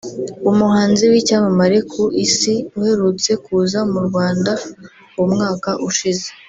umuhanzi w’icyamamare ku isi uherutse kuza mu Rwanda mu mwaka ushize